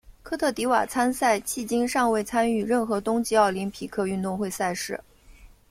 科特迪瓦参赛迄今尚未参与任何冬季奥林匹克运动会赛事。